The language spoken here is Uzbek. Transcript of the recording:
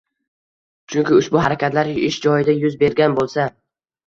Chunki ushbu harakatlar ish joyida yuz bergan bo‘lsa